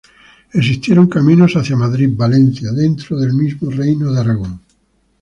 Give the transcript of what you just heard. Existieron caminos hacia Madrid, Valencia, dentro del mismo Reino de Aragón.